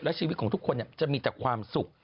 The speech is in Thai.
และชีวิตของทุกคนจะมีแต่ความสุข